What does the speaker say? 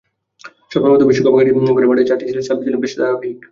স্বপ্নের মতো বিশ্বকাপ কাটিয়ে ঘরের মাঠে চারটি সিরিজেই সাব্বির ছিলেন বেশ ধারাবাহিক।